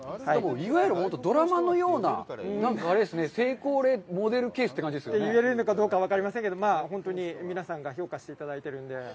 いわゆる本当ドラマのようななんかあれですね、成功例、モデルケースですね？と言われるのかどうか分かりませんけど、皆さんに評価していただいて。